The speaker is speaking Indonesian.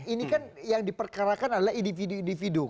ini kan yang diperkarakan adalah individu individu